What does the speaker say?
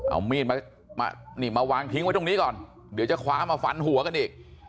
เอามีดมานี่มาวางทิ้งไว้ตรงนี้ก่อนเดี๋ยวจะคว้ามาฟันหัวกันอีก